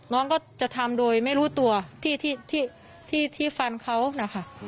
น้องก็จะทำโดยไม่รู้ตัวที่ฟันเขานะคะ